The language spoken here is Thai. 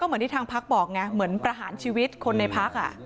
เหมือนที่ทางพักบอกไงเหมือนประหารชีวิตคนในพัก